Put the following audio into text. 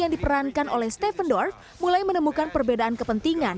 diperankan oleh steffendorf mulai menemukan perbedaan kepentingan